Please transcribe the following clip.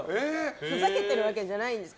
ふざけてるわけじゃないんです。